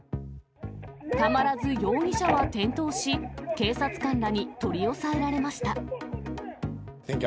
たまらず容疑者は転倒し、警察官らに取り押さえられました。